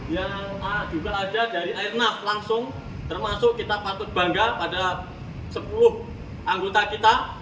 yang juga ada dari airnav langsung termasuk kita patut bangga pada sepuluh anggota kita